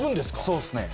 そうっすね。